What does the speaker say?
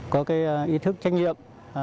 có cái ý thức trách nhiệm